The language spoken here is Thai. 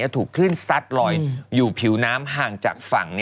ถูกคลื่นซัดลอยอยู่ผิวน้ำห่างจากฝั่ง